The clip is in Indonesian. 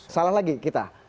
salah lagi kita